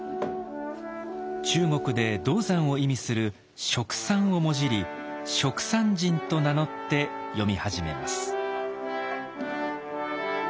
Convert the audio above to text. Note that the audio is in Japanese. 中国で銅山を意味する「蜀山」をもじり蜀山人と名乗って詠み始めます。